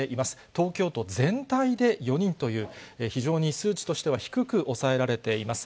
東京都全体で４人という、非常に数値としては低く抑えられています。